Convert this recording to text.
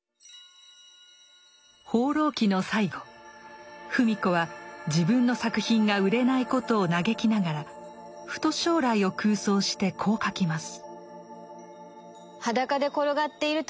「放浪記」の最後芙美子は自分の作品が売れないことを嘆きながらふと将来を空想してこう書きます。